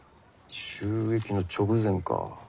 襲撃の直前か。